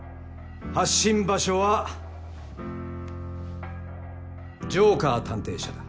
発信場所はジョーカー探偵社だ。